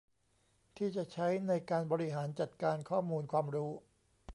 ที่จะใช้ในการบริหารจัดการข้อมูลความรู้